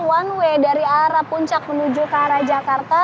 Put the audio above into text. one way dari arah puncak menuju ke arah jakarta